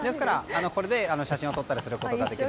これで写真を撮ったりすることができる。